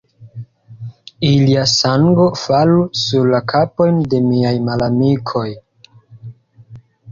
Ilia sango falu sur la kapojn de miaj malamikoj!